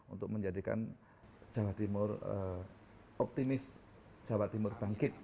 untuk menjadikan jawa timur optimis jawa timur bangkit